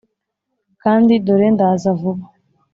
Kandi dore ndaza vuba.